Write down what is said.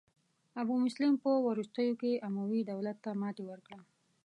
ابو مسلم په وروستیو کې اموي دولت ته ماتې ورکړه.